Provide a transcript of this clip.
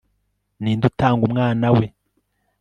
ninde utanga umwana we